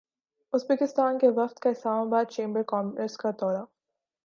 Uzbekistan کے وفد کا اسلام باد چیمبر کامرس کا دورہ